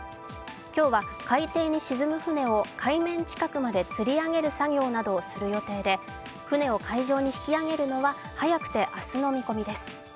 今日は海底に沈む船を海面近くまでつり上げる作業などをする予定で船を海上に引き揚げるのは早くて明日の見込みです。